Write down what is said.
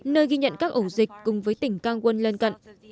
nơi ghi nhận các ổ dịch cùng với tỉnh cang quân lân cận